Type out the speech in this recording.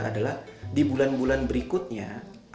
apakah penghasilan kita akan terjadi atau tidak